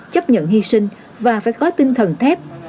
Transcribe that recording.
chấp nhận hy sinh và phải có tinh thần thép